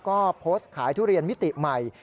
ก็โพสต์ขายทุเรียนมิติใหม่